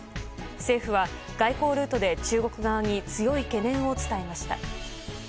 政府は外交ルートで中国側に強い懸念を伝えました。